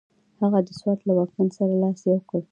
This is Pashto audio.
هغه د سوات له واکمن سره لاس یو کړ.